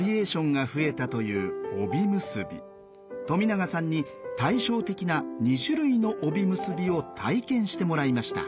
冨永さんに対照的な２種類の帯結びを体験してもらいました。